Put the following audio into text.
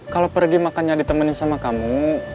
kalau pergi makannya ditemenin sama kamu